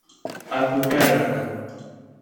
Apucarana